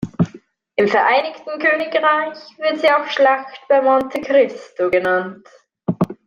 Im Vereinigten Königreich wird sie auch "Schlacht bei Monte Christo" genannt.